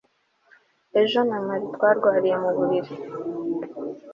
Ejo na Mary twarwariye muburiri